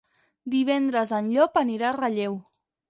Divendres en Llop anirà a Relleu.